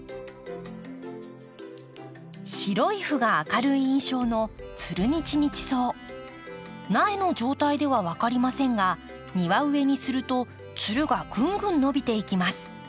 白い斑が明るい印象の苗の状態では分かりませんが庭植えにするとつるがぐんぐん伸びていきます。